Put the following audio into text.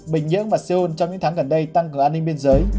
bình nhưỡng và seoul trong những tháng gần đây tăng cường an ninh biên giới